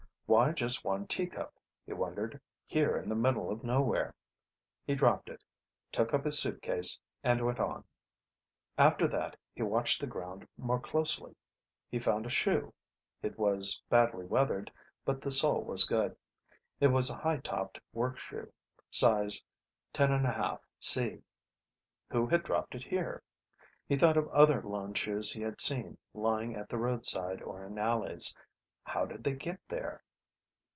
Why just one teacup, he wondered, here in the middle of nowhere? He dropped it, took up his suitcase, and went on. After that he watched the ground more closely. He found a shoe; it was badly weathered, but the sole was good. It was a high topped work shoe, size 10 1/2 C. Who had dropped it here? He thought of other lone shoes he had seen, lying at the roadside or in alleys. How did they get there...?